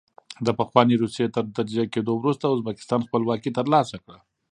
د پخوانۍ روسیې تر تجزیه کېدو وروسته ازبکستان خپلواکي ترلاسه کړه.